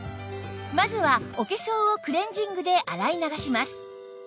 まずはお化粧をクレンジングで洗い流します